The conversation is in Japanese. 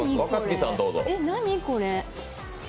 何これ？